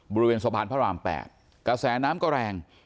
บริเวณสะพานพระราม๘กระแสน้ำก็แรง